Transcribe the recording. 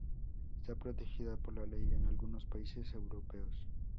Está protegida por la ley en algunos países europeos.